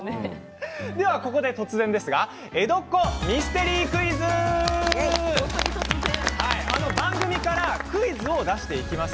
ここで、突然ですが「江戸っ子ミステリークイズ！」番組からクイズを出していきます。